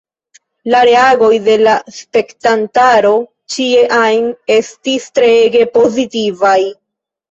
La reagoj de la spektantaro ĉie ajn estis treege pozitivaj.